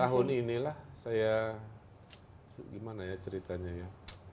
tahun inilah saya gimana ya ceritanya ya